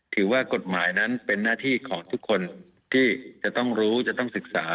ถือว่ากฎหมายนั้นเป็นหน้าที่ของทุกคนที่จะต้องรู้จะต้องศึกษา